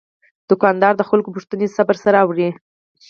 دوکاندار د خلکو پوښتنې صبر سره اوري.